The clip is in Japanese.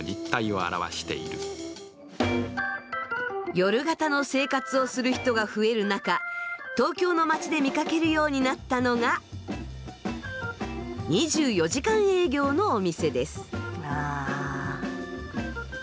夜型の生活をする人が増える中東京の街で見かけるようになったのが２４時間営業のお店です。